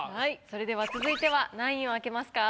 それでは続いては何位を開けますか？